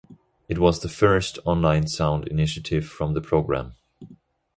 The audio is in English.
It was the first online sound initiative from the programme.